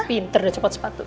pinter udah cepat sepatu